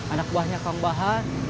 anak buahnya kang bahar